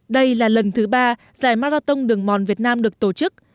đây là lần thứ ba giải marathon đường mòn việt nam được tổ chức